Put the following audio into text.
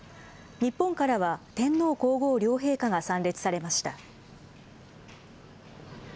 日本からは天皇皇后両陛下が参列されました。